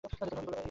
এই লোকটাও না!